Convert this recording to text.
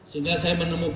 sehingga saya menemukan